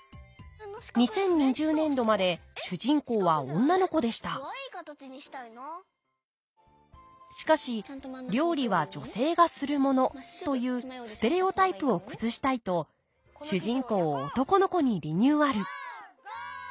２０２０年度まで主人公は女の子でしたしかし料理は女性がするものというステレオタイプを崩したいと主人公を男の子にリニューアル